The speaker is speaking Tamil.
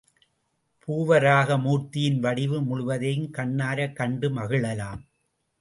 பூவராக மூர்த்தியின் வடிவு முழுவதையும் கண்ணாரக் கண்டு மகிழலாம்.